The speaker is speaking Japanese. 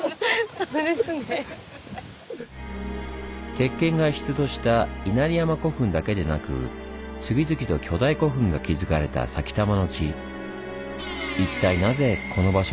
鉄剣が出土した稲荷山古墳だけでなく次々と巨大古墳が築かれた埼玉の地。